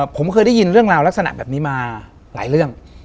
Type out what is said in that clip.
ผมเคยได้ยินเรื่องราวลักษณะแบบนี้มาหลายเรื่อง